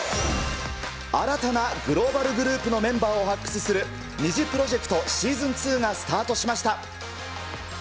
新たなグローバルグループのメンバーを発掘するニジプロジェクトシーズン２がスタートしました。